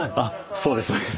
そうです。